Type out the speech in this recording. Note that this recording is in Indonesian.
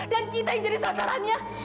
dan kita yang jadi sasarannya